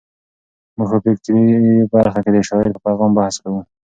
موږ په فکري برخه کې د شاعر په پیغام بحث کوو.